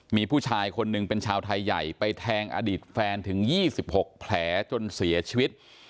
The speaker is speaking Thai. มีผู้ชายคนหนึ่งเป็นชาวไทยใหญ่ไปแทงอดีตแฟนถึง๒๖แผลจนเสียชีวิต